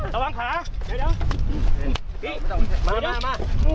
ระวังขาระวังขา